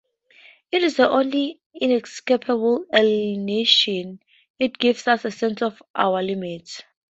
It is the only inescapable alienation; it gives us a sense of our limits.